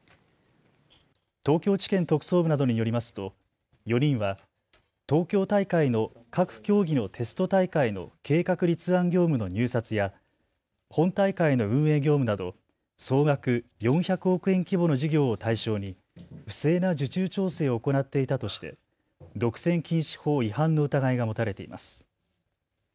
東京地検特捜部などによりますと４人は東京大会の各競技のテスト大会の計画立案業務の入札や本大会の運営業務など総額４００億円規模の事業を対象に不正な受注調整を行っていたとして独占禁止法違反の疑いが持たれています。